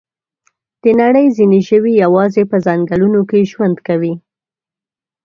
د نړۍ ځینې ژوي یوازې په ځنګلونو کې ژوند کوي.